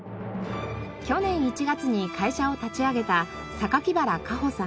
去年１月に会社を立ち上げた原華帆さん。